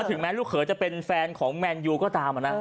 ถึงแม้ลูกเขยจะเป็นแฟนของแมนยูก็ตามนะ